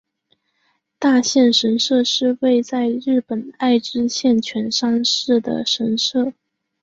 大县神社是位在日本爱知县犬山市的神社。